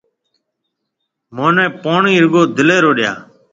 مهنَي پوڻِي رُگو دِليَ رو ڏيا۔